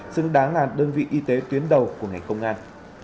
xứng đáng là đơn vị y tế tuyến đầu của ngành công an